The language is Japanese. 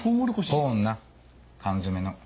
コーンな缶詰の。